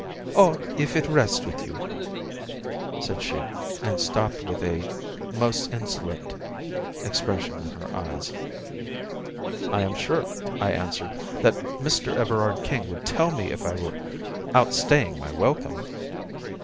"Oh, if it rests with you " said she, and stopped with a most insolent expression in her eyes. "I am sure," I answered, "that Mr. Everard King would tell me if I were outstaying my welcome."